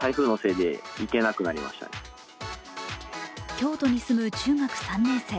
京都に住む中学３年生。